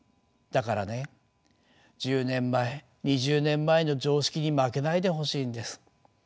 だからね１０年前２０年前の常識に負けないでほしいんです。